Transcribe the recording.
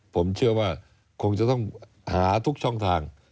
ผมเชื่อว่าคงจะต้องหาทุกช่องทาง